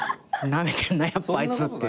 なめてんなやっぱあいつって。